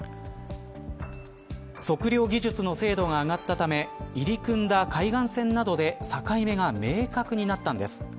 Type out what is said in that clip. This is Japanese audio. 測量技術の精度が上がったため入り組んだ海岸線などで境目が明確になったんです。